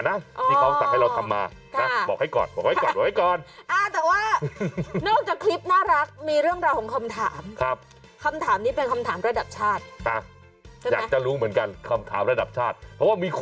น้องเป็นผู้แข่งหรือน้องเป็นผู้หญิง